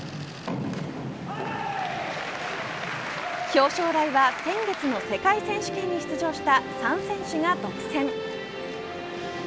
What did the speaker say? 表彰台は先月の世界選手権に出場した３選手が独占。